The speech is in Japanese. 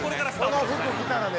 この服着たらね